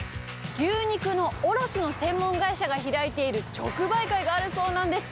牛肉の卸の専門会社が開いている直売会があるそうなんです。